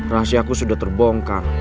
rahasiaku sudah terbongkar